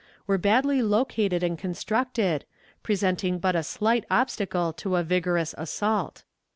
. were badly located and constructed, presenting but a slight obstacle to a vigorous assault."